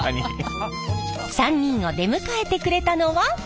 ３人を出迎えてくれたのは。